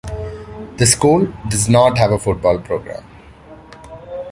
The school does not have a football program.